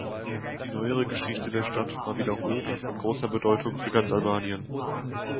Die neuere Geschichte der Stadt war wiederholt von großer Bedeutung für ganz Albanien.